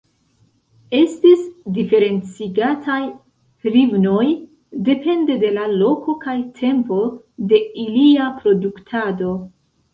Estis diferencigataj hrivnoj depende de la loko kaj tempo de ilia produktado.